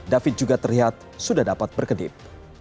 david juga terlihat sudah dapat berkedip